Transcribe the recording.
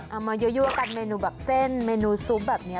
เอามาเยอะกับเมนูแบบเส้นเมนูซุปแบบนี้